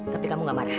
tapi kamu gak marah